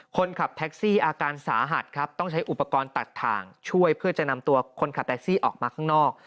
คนขับแท็กซี่อาการสาหัสครับต้องใช้อุปกรณ์ตัดถ่างช่วยเพื่อจะนำตัวคนขับแท็กซี่ออกมาข้างนอก